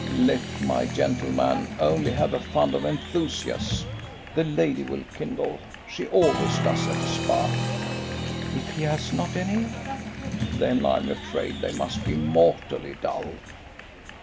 "Let my gentleman only have a fund of enthusiasm. The lady will kindle. She always does at a spark." "If he has not any?" "Then I'm afraid they must be mortally dull."